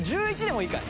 １１でもいいか。